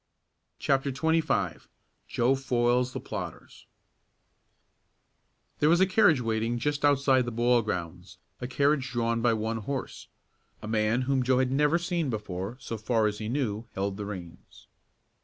CHAPTER XXV JOE FOILS THE PLOTTERS There was a carriage waiting just outside the ball grounds, a carriage drawn by one horse. A man whom Joe had never seen before, so far as he knew, held the reins.